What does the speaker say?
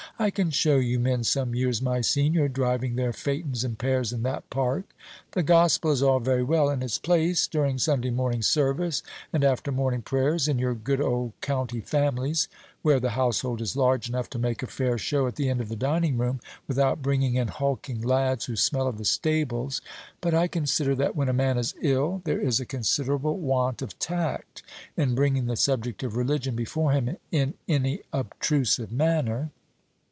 I can show you men some years my senior driving their phætons and pairs in that Park. The Gospel is all very well in its place during Sunday morning service, and after morning prayers, in your good old county families, where the household is large enough to make a fair show at the end of the dining room, without bringing in hulking lads who smell of the stables: but I consider that when a man is ill, there is a considerable want of tact in bringing the subject of religion before him in any obtrusive manner."